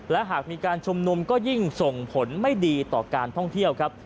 และหากมีการชุมนุมก็ยิ่งส่งผลไม่ดีต่อการท่องเที่ยวครับ